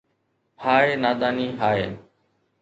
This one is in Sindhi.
ھاءِ نا داني ھاءِ